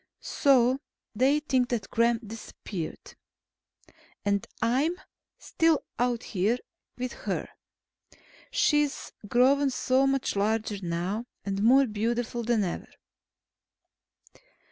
So they think that Gremm disappeared. And I'm still out here with her. She's grown so much larger now, and more beautiful than ever.